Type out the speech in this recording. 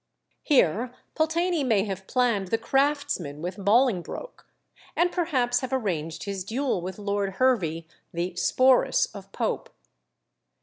Here Pulteney may have planned the Craftsman with Bolingbroke, and perhaps have arranged his duel with Lord Hervey, the "Sporus" of Pope.